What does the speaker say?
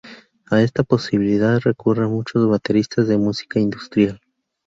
A esta posibilidad recurren muchos bateristas de música industrial.